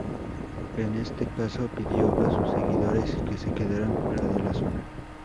En este caso pidió a sus seguidores que se quedaran fuera de la zona.